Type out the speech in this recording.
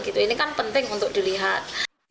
ini kan penting untuk dilihat